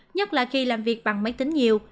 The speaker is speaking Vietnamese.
nhất là khi làm việc bằng máy tính nhiều